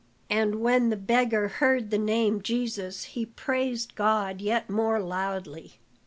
And when the beggar heard the name, Jesus, he praised God yet more loudly.